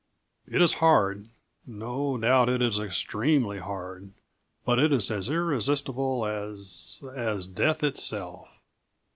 It is hard no doubt it is extremely hard, but it is as irresistible as as death itself.